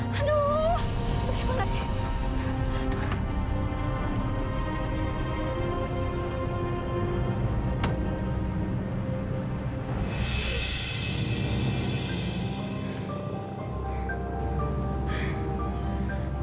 aduh kemana sih